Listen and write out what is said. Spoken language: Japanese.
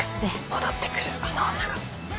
戻ってくるあの女が。